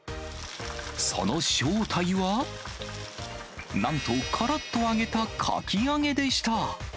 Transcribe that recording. その正体は、なんと、からっと揚げたかき揚げでした。